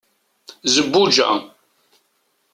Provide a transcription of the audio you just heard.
zebbuǧa